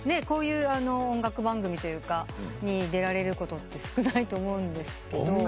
こういう音楽番組に出られることって少ないと思うんですけど。